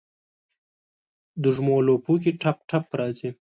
دوږمو لپو کې ټپ، ټپ راځي